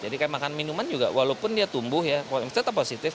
jadi kayak makan minuman juga walaupun dia tumbuh ya kalau yang setelah positif